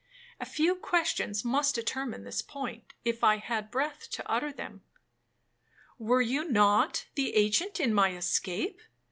A few questions must determine this point, if I had breath to utter them. 'Were you not the agent in my escape?